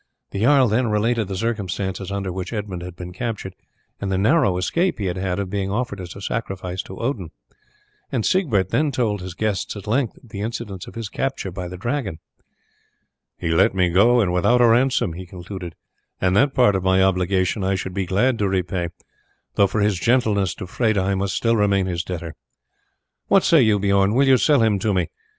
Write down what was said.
The jarl then related the circumstances under which Edmund had been captured, and the narrow escape he had had of being offered as a sacrifice to Odin. And Siegbert then told his guests at length the incidents of his capture by the Dragon. "He let me go free and without a ransom," he concluded, "and that part of my obligation I should be glad to repay, though for his gentleness to Freda I must still remain his debtor. What say you, Bijorn, will you sell him to me?